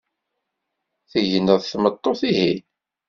Tegneḍ d tmeṭṭut-ihin?